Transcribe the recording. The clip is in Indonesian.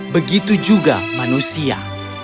begitu juga manusia